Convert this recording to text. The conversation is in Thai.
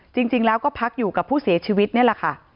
จริงแล้วก็พักอยู่กับผู้เสียชีวิตนี่แหละค่ะ